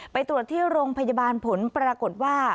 ไปตรวจที่โรงพยาบาลผลปรากฏว่า